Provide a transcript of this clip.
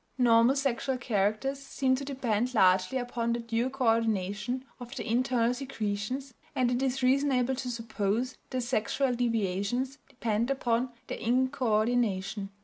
Normal sexual characters seem to depend largely upon the due co ordination of the internal secretions, and it is reasonable to suppose that sexual deviations depend upon their inco ordination.